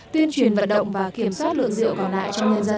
tuyên truyền vận động và kiểm soát lượng rượu còn lại cho nhân dân